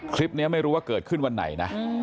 คลิปนี้ไม่รู้ว่าเกิดขึ้นวันไหนนะ